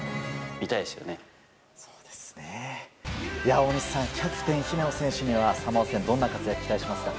大西さんキャプテンの姫野選手にはサモア戦ではどんな活躍を期待しますか？